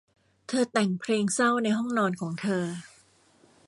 เธอแต่งเพลงเศร้าในห้องนอนของเธอ